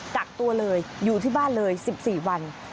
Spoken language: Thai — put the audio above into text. กักตัวเลยอยู่ที่บ้านเลย๑๔วัน